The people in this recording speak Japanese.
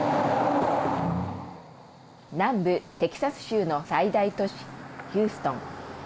南部テキサス州の最大都市ヒューストン。